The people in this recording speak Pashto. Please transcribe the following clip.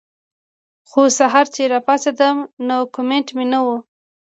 خو سحر چې راپاسېدم نو کمنټ مې نۀ وۀ